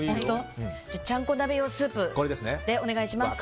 ちゃんこ鍋用スープでお願いします。